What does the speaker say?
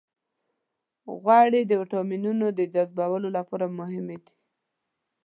غوړې د ویټامینونو د جذبولو لپاره مهمې دي.